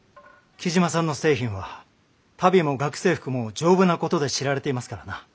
雉真さんの製品は足袋も学生服も丈夫なことで知られていますからな。